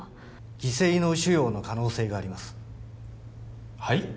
偽性脳腫瘍の可能性がありますはい？